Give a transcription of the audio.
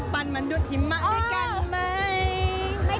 ปั้นมันดุ้นหิมะด้วยกันไหม